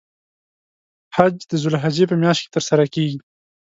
حج د ذوالحجې په میاشت کې تر سره کیږی.